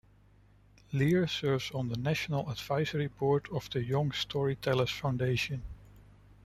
Lear serves on the National Advisory Board of the Young Storytellers Foundation.